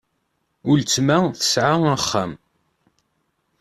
Uletma tesɛa axxam.